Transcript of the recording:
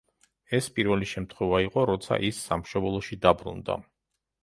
ეს პირველი შემთხვევა იყო, როცა ის სამშობლოში დაბრუნდა.